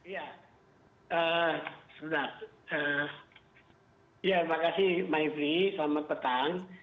ya sebenarnya ya terima kasih maifri selamat petang